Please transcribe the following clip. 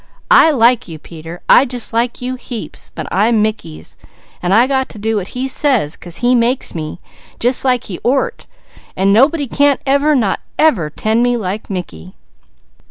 I like you Peter! I just like you heaps; but I'm Mickey's, so I got to do what he says 'cause he makes me, jes like he ort, and nobody can't ever tend me like Mickey."